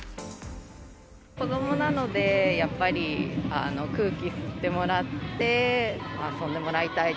子どもなので、やっぱり空気吸ってもらって遊んでもらいたい。